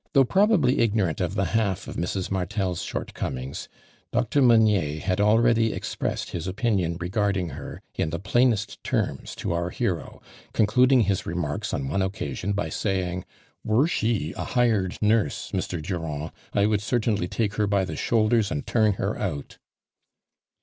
Though probably ignorant of the half of Mrs. Martel" s shortcomings, Dr. Meunier had already expi essed his opinion regard ing her, in the plainest terms to our hero, concluding his i emarks on one occasion, by saying: "Were she a hired nurse, Mr. Durand, 1 should certainly take her by the shoulders and turn her out."'